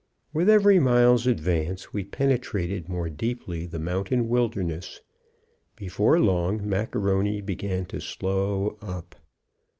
With every mile's advance we penetrated more deeply the mountain wilderness. Before long Macaroni began to slow up.